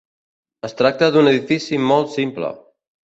Es tracta d'un edifici molt simple.